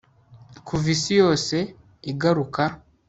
kuva isi yose igaruka